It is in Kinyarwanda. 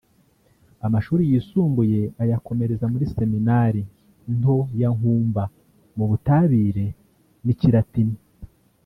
amashuri yisumbuye ayakomereza muri Seminari nto ya Nkumba mu Butabire n’Ikilatini